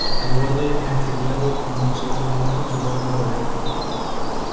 El borde es afilado, con un cierto desgaste en su lado noroeste.